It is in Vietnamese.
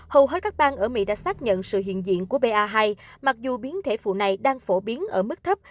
hầu hết các bang ở mỹ đã xác nhận sự hiện diện của ba hai mặc dù biến thể phụ này đang phổ biến ở mức thấp